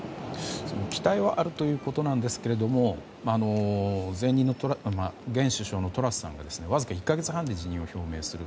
期待はあるということですが現首相のトラスさんがわずか１か月半で辞任を表明する。